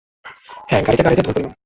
হ্যাঁ, গাড়িতে গাড়িতে ধুল পরিমাণ।